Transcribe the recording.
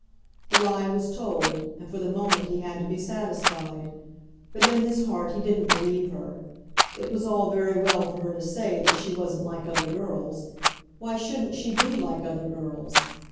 The lie was told; and for the moment he had to be satisfied. But in his heart he didn't believe her. It was all very well for her to say that she wasn't like other girls. Why shouldn't she be like other girls?